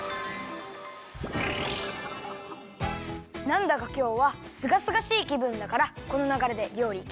なんだかきょうはすがすがしいきぶんだからこのながれでりょうりいきますか。